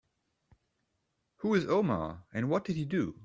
Who is Omar and what did he do?